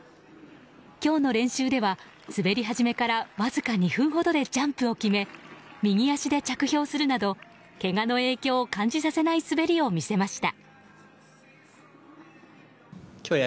今日の練習では滑り始めからわずか２分ほどでジャンプを決め右足で着氷するなどけがの影響を感じさせない滑りを見せました。